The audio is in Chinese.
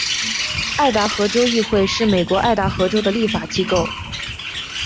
爱达荷州议会是美国爱达荷州的立法机构。